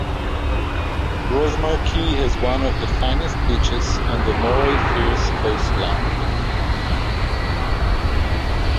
Rosemarkie has one of the finest beaches on the Moray Firth Coast Line.